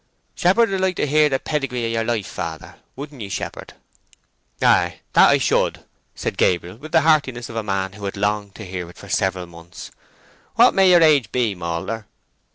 "Shepherd would like to hear the pedigree of yer life, father—wouldn't ye, shepherd?" "Ay, that I should," said Gabriel with the heartiness of a man who had longed to hear it for several months. "What may your age be, malter?"